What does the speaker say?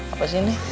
apa sih ini